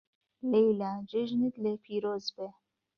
لهیلا جێژنت لێ پیرۆز بێ